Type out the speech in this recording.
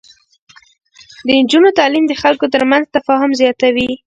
د نجونو تعليم د خلکو ترمنځ تفاهم زياتوي.